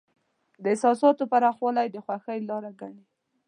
د احساساتو پراخوالی د خوښۍ لاره ګڼي.